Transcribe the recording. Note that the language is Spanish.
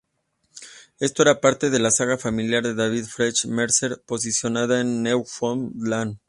Esto era parte de la saga familiar de David French Mercer posicionada en Newfoundland.